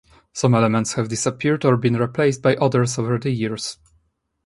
Some elements have disappeared or been replaced by others over the years.